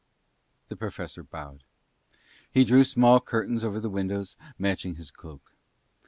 The Professor bowed. He drew small curtains over the windows, matching his cloak.